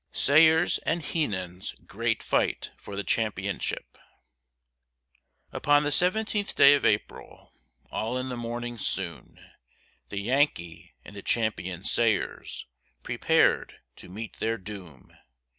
SAYERS' & HEENAN'S GREAT FIGHT FOR THE CHAMPIONSHIP. Upon the seventeenth day of April, All in the morning soon, The Yankee and the champion Sayers Prepared to meet their doom.